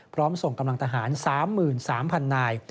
ส่งกำลังทหาร๓๓๐๐นาย